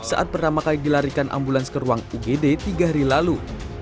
saat pertama kali dilarikan ambulans ke ruang ugd tiga hari lalu